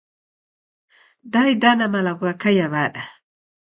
Da idana malagho ghakaia wada?